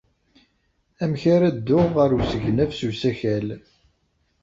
Amek ara dduɣ ɣer usegnaf s usakal?